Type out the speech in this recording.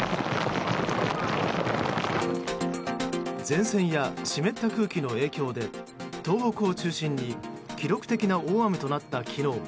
前線や湿った空気の影響で東北を中心に記録的な大雨となった昨日。